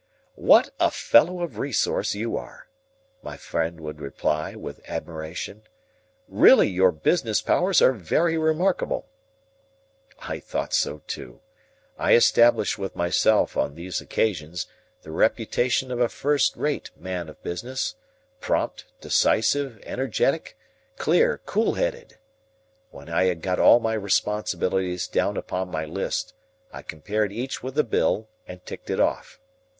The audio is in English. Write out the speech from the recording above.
"What a fellow of resource you are!" my friend would reply, with admiration. "Really your business powers are very remarkable." I thought so too. I established with myself, on these occasions, the reputation of a first rate man of business,—prompt, decisive, energetic, clear, cool headed. When I had got all my responsibilities down upon my list, I compared each with the bill, and ticked it off.